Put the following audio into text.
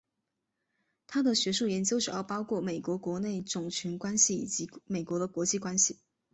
他的学术研究主要包括美国国内种族关系以及美国的国际关系。